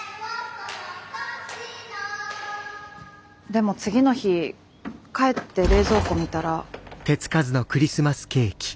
でも次の日帰って冷蔵庫見たら。